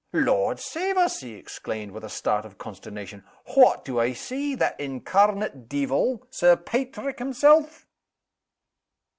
Lord save us!" he exclaimed, with a start of consternation, "what do I see? That incarnate deevil, Sir Paitrick himself!"